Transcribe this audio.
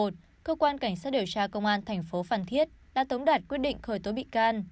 điều tra công an thành phố phan thiết đã tống đạt quyết định khởi tố bị can